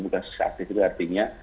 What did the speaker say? dua puluh enam kasus aktif itu artinya